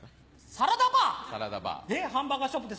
サラダバー。